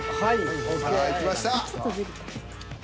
さあいきました。